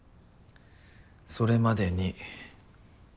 それまでに。